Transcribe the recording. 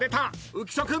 浮所君。